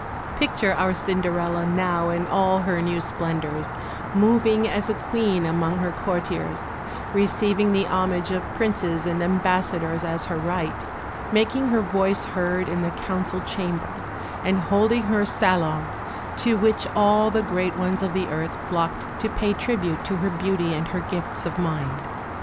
Picture our Cinderella now in all her new splendours, moving as a Queen among her courtiers, receiving the homage of princes and ambassadors as her right, making her voice heard in the Council Chamber, and holding her salon, to which all the great ones of the earth flocked to pay tribute to her beauty and her gifts of mind.